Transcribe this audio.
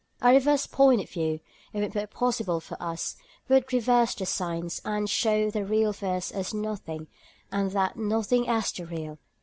A reversed point of view, if it were possible for us, would reverse the signs and show the real for us as nothing, and that nothing as the real.